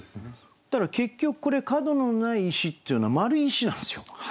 だから結局これ「角のない石」っていうのは丸い石なんですよ。